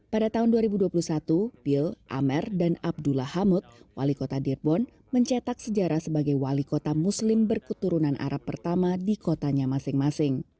pada tahun dua ribu dua puluh satu bill amer dan abdullah hamud wali kota dearbon mencetak sejarah sebagai wali kota muslim berketurunan arab pertama di kotanya masing masing